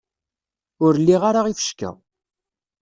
Ur liɣ ara ifecka.